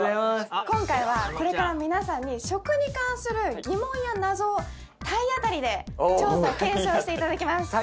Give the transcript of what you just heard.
今回はこれから皆さんに食に関する疑問や謎を体当たりで調査・検証していただきます